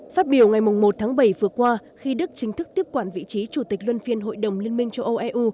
phát biểu ngày một tháng bảy vừa qua khi đức chính thức tiếp quản vị trí chủ tịch luân phiên hội đồng liên minh châu âu eu